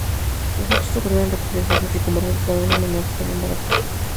Los hechos ocurrieron repetidas veces y como resultado la menor quedó embarazada.